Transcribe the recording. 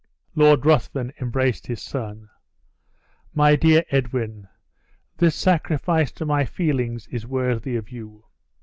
Lord Ruthven embraced his son. "My dear Edwin! this sacrifice to my feelings is worthy of you.